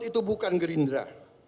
itu bukan gerindra